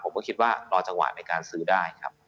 ผมก็คิดว่ารอจังหวะในการซื้อได้ครับ